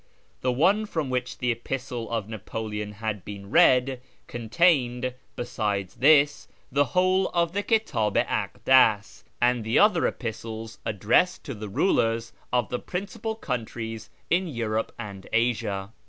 The one from which the Epistle to Napoleon had been read, contained, besides this, the whole of the Kitdh i Akdas, and the other Epistles ad dressed to the rulers of the j^rincipal countries in Europe and Asia.